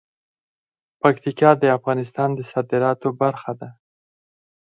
پکتیکا د افغانستان د صادراتو برخه ده.